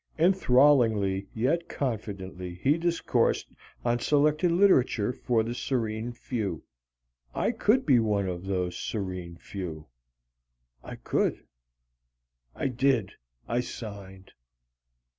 Enthrallingly yet confidentially he discoursed on Selected Literature for the Serene Few. I could be one of those Serene Few. I could. I did. I signed.